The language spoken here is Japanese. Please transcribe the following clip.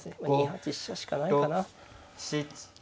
２八飛車しかないかな。